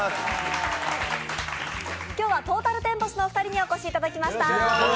今日はトータルテンボスのお二人にお越しいただきました。